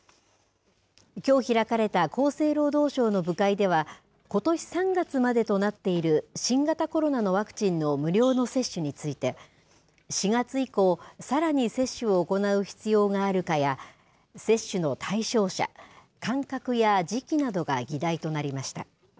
きょう開かれた厚生労働省の部会では、ことし３月までとなっている新型コロナのワクチンの無料の接種について、４月以降、さらに接種を行う必要があるかや、接種の対象者、間隔や時期などが議題となりました。